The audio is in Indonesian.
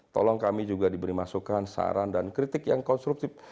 tolong kami juga diberi masukan saran dan kritik yang konstruktif